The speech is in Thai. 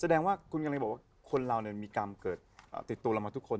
แสดงว่าคุณเรียกว่าคนเรามีกรรมผลเป็นตอนมีกรรมเขาเกิดติดตูมันทุกคน